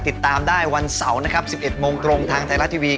ติดตามได้วันเสาร์นะครับ๑๑โมงตรงทางไทยรัฐทีวี